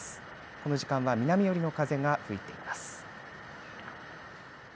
この時間は南寄りの風が吹いています。